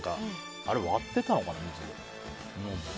割ってたのかな、水で。